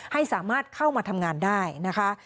ให้สามารถเข้ามาทำงานได้นะคะ